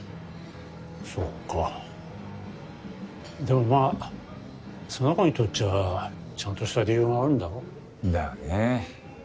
そっかでもまあその子にとっちゃちゃんとした理由があるんだろ？だよね。